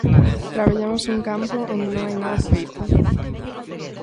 Traballamos un campo onde non hai nada feito.